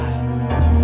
masa sih amirah